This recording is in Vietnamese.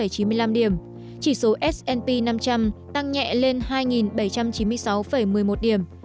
chỉ số s p năm trăm linh tăng nhẹ lên hai bảy trăm chín mươi sáu một mươi một điểm